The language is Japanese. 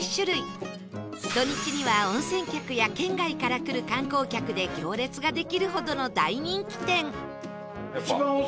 土日には温泉客や県外から来る観光客で行列ができるほどの大人気店